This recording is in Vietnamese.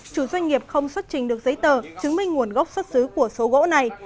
chủ doanh nghiệp không xuất trình được giấy tờ chứng minh nguồn gốc xuất xứ của số gỗ này